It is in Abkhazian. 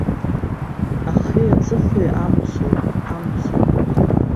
Ахи аҵыхәеи амцоуп, амцоуп!